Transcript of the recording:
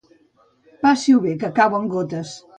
Passi-ho bé, que cauen gotes.